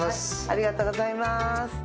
ありがとうございます。